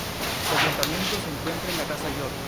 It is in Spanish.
Su ayuntamiento se encuentra en la Casa York.